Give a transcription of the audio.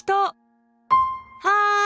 はい！